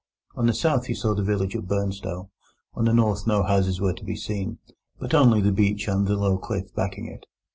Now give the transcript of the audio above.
On the south you saw the village of Burnstow. On the north no houses were to be seen, but only the beach and the low cliff backing it.